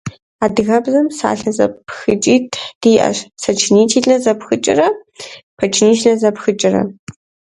Адыгэбзэм псалъэ зэпхыкӏитӏ диӏэщ: сочинительнэ зэпхыкӏэрэ подчинительнэ зэпхыкӏэрэ.